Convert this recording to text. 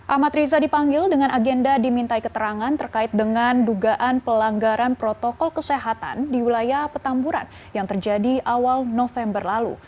ahmad riza dipanggil dengan agenda dimintai keterangan terkait dengan dugaan pelanggaran protokol kesehatan di wilayah petamburan yang terjadi awal november lalu